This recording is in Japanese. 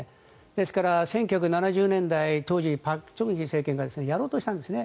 ですから１９７０年代当時朴正煕政権がやろうとしたんですね。